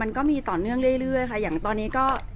แต่ว่าสามีด้วยคือเราอยู่บ้านเดิมแต่ว่าสามีด้วยคือเราอยู่บ้านเดิม